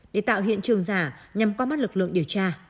để tạo hiện trường giả nhằm qua mắt lực lượng điều tra